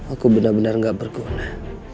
aku benar benar gak berguna